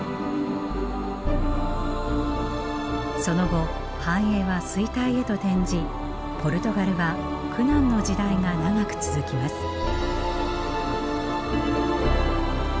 その後繁栄は衰退へと転じポルトガルは苦難の時代が長く続きます。